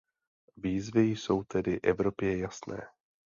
Výzvy jsou tedy Evropě jasné.